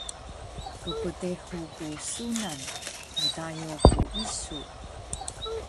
Pkdehu ku sunan, mdayo ku isu